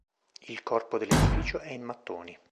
Il corpo dell'edificio è in mattoni.